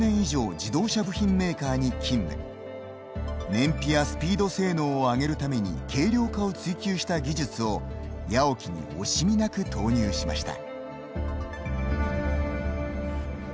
燃費やスピード性能を上げるために軽量化を追求した技術をＹＡＯＫＩに惜しみなく投入しました。